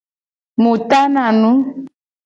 Mu tana nu.